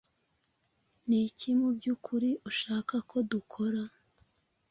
Niki mubyukuri ushaka ko dukora?